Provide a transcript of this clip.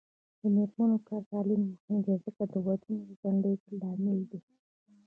د میرمنو کار او تعلیم مهم دی ځکه چې ودونو ځنډ لامل دی.